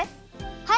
はい。